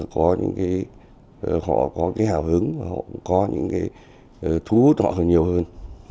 có những cái họ có cái hào hứng và họ cũng có những cái thu hút họ hơn nhiều hơn